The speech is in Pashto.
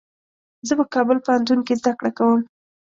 زه په کابل پوهنتون کي زده کړه کوم.